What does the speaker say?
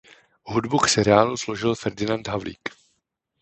Hudbu k seriálu složil Ferdinand Havlík.